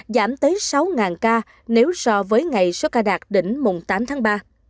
giảm tới sáu ca nếu so với ngày số ca đạt đỉnh mùng tám tháng ba